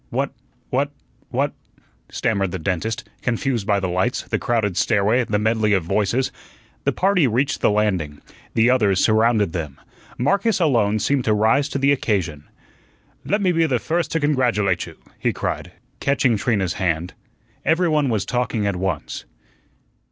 "What what what," stammered the dentist, confused by the lights, the crowded stairway, the medley of voices. The party reached the landing. The others surrounded them. Marcus alone seemed to rise to the occasion. "Le' me be the first to congratulate you," he cried, catching Trina's hand. Every one was talking at once.